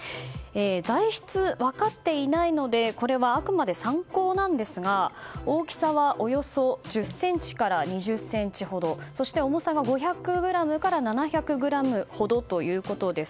材質、分かっていないのでこれはあくまでも参考なんですが、大きさはおよそ１０ｃｍから２０ｃｍほどそして重さが５００ｇから７００ｇほどということです。